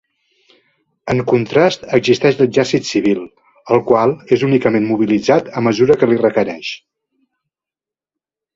En contrast existeix l'exèrcit civil, el qual és únicament mobilitzat a mesura que l'hi requereix.